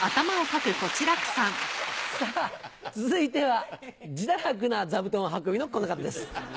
さぁ続いては自堕落な座布団運びのこの方です。